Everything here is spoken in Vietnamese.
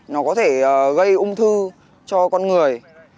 nó có thể gây ung thư cho con người